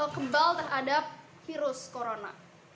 kebal terhadap virus corona